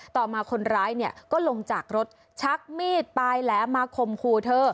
ต่อมาคนร้ายก็ลงจากรถชักมีดไปแล้วมาคมครูเธอ